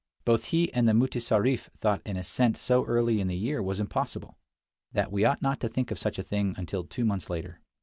Both he and the mutessarif thought an ascent so early in the year was impossible; that we ought not to think of such a thing until two months later.